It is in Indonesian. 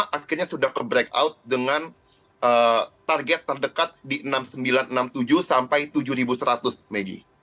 pertama akhirnya sudah ke breakout dengan target terdekat di enam sembilan ratus enam puluh tujuh sampai tujuh seratus megi